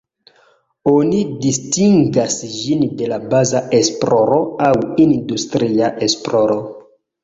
Oni distingas ĝin de baza esploro aŭ industria esploro.